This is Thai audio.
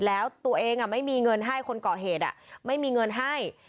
แล้วตัวเองไม่มีเงินให้คนก่อเหตุไม่มีเงินให้